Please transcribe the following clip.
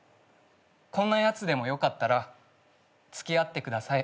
こんなやつでもよかったら付き合ってください。